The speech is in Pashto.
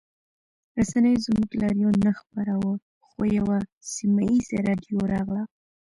رسنیو زموږ لاریون نه خپراوه خو یوه سیمه ییزه راډیو راغله